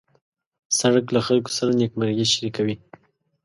سړک له خلکو سره نېکمرغي شریکوي.